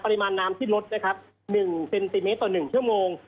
ปริมาณน้ำที่ลดนะครับ๑เซนติเมตรต่อ๑ชั่วโมง